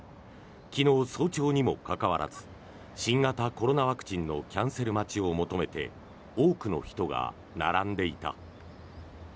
昨日、早朝にもかかわらず新型コロナワクチンのキャンセル待ちを求めて多くの人が並んでいた。